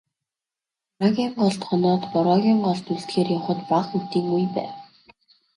Хараагийн голд хоноод, Бороогийн голд үлдэхээр явахад бага үдийн үе байв.